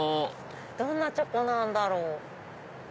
どんなチョコなんだろう？